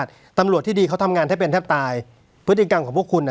ตำรวจที่ดีเขาทำงานแทบเป็นแทบตายพฤติกรรมของพวกคุณอ่ะ